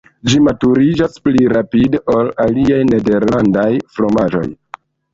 Ĝi maturiĝas pli rapide ol aliaj nederlandaj fromaĝoj.